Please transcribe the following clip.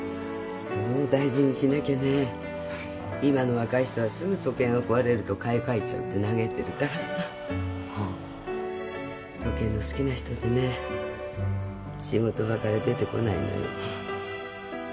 そう大事にしなきゃねはい今の若い人はすぐ時計が壊れると買い替えちゃうと嘆いてるから時計の好きな人でね仕事場から出てこないのよ